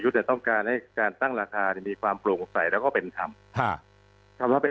ข้อคล้อมของค่าใช้จ่ายแล้วก็โปร่งใสคือผู้บ่อริโรคผู้ป่วย